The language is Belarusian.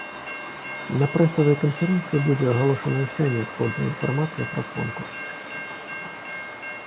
На прэсавай канферэнцыі будзе агалошаная ўся неабходная інфармацыя пра конкурс.